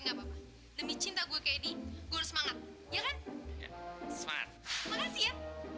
nggak apa apa demi cinta gue kayak gini gue semangat ya kan makasih ya